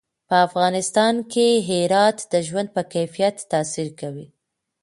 په افغانستان کې هرات د ژوند په کیفیت تاثیر کوي.